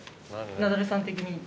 ナダルさん的にどう。